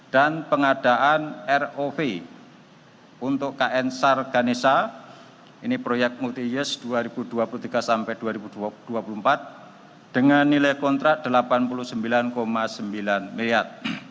dan pengadaan rov untuk kn sarganesa ini proyek multi use dua ribu dua puluh tiga dua ribu dua puluh empat dengan nilai kontrak rp delapan puluh sembilan sembilan miliar